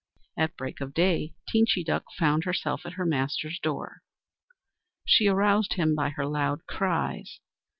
At break of day Teenchy Duck found herself at her master's door. She aroused him by her loud cries.